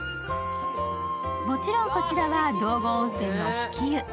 もちろんこちらは、道後温泉の引き湯。